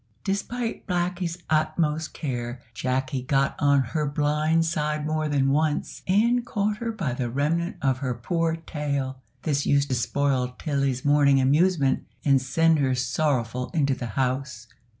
Despite Blackie's utmost care, Jacky got on her blind side more than once, and caught her by the remnant of her poor tail. This used to spoil Tilly's morning amusement, and send her sorrowful into the house.